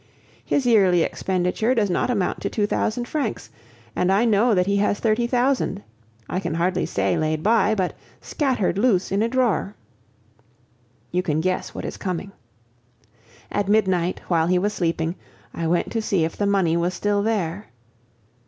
His yearly expenditure does not amount to two thousand francs, and I know that he has thirty thousand, I can hardly say laid by, but scattered loose in a drawer. You can guess what is coming. At midnight, while he was sleeping, I went to see if the money was still there.